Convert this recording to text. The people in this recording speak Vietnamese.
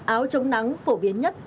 áo trông nắng phổ biến nhất